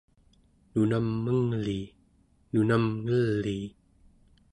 nunam menglii, nunam ngelii